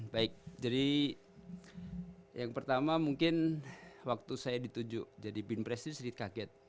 baik jadi yang pertama mungkin waktu saya dituju jadi binpres ini sedikit kaget